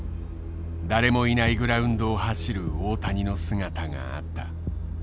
誰もいないグラウンドを走る大谷の姿があった。